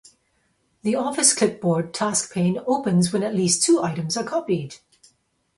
The Office Clipboard task pane opens when at least two items are copied.